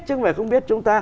chứ không phải không biết